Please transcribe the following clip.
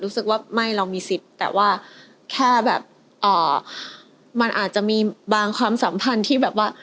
รู้สึกว่าไม่เรามีสิทธิ์แต่ว่าแค่แบบมันอาจจะมีบางความสัมพันธ์ที่แบบว่า